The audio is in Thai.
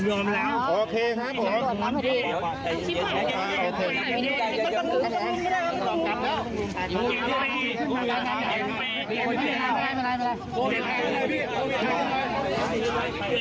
โอเคนะครับผม